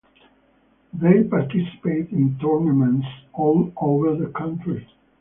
They participate in tournaments all over the country.